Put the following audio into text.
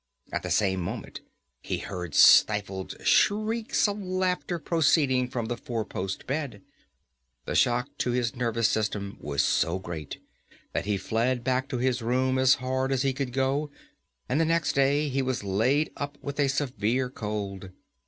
At the same moment he heard stifled shrieks of laughter proceeding from the four post bed. The shock to his nervous system was so great that he fled back to his room as hard as he could go, and the next day he was laid up with a severe cold.